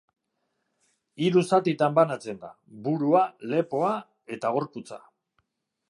Hiru zatitan banatzen da: burua, lepoa eta gorputza.